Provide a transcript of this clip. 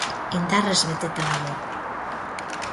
Indarrez beteta dago.